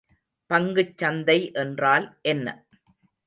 பங்குச் சந்தை என்றால் என்ன?